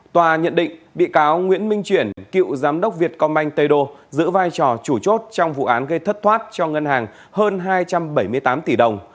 tòa nhận định bị cáo nguyễn minh chuyển cựu giám đốc việt công banh tây đô giữ vai trò chủ chốt trong vụ án gây thất thoát cho ngân hàng hơn hai trăm bảy mươi tám tỷ đồng